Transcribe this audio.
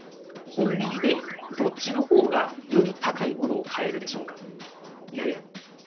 コンビニでどっちのほうがより高いものを買えるでしょうか？